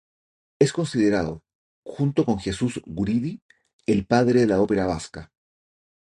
Es considerado, junto con Jesús Guridi, el padre de la ópera vasca.